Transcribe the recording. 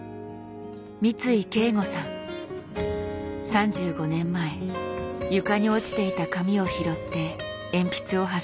３５年前床に落ちていた紙を拾って鉛筆を走らせた人です。